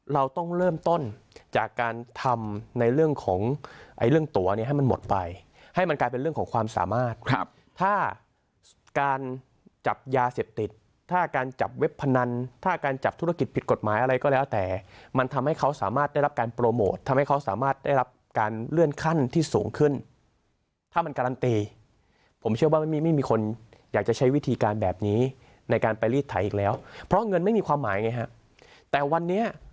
เราต้องเริ่มต้นจากการทำในเรื่องของเรื่องตัวให้มันหมดไปให้มันกลายเป็นเรื่องของความสามารถถ้าการจับยาเสพติดถ้าการจับเว็บพนันถ้าการจับธุรกิจผิดกฎหมายอะไรก็แล้วแต่มันทำให้เขาสามารถได้รับการโปรโมททำให้เขาสามารถได้รับการเลื่อนขั้นที่สูงขึ้นถ้ามันการันตีผมเชื่อว่าไม่มีคนอยากจะใช้วิธีการแบบนี้ใน